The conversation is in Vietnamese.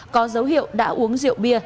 có dấu hiệu đã uống rượu bia